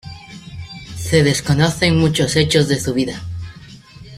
Se desconocen muchos hechos de su vida.